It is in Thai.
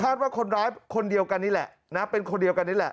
ว่าคนร้ายคนเดียวกันนี่แหละนะเป็นคนเดียวกันนี่แหละ